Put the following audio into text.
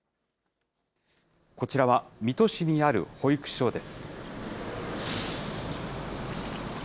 こちらは水戸市にある保育所です。